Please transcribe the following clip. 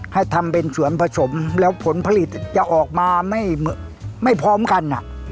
ให้ทำเป็นส่วนผสมแล้วผลผลิตจะออกมาไม่พร้อมกัน